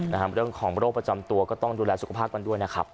เรื่องของโรคประจำตัวก็ต้องดูแลสุขภาพกันด้วยนะครับ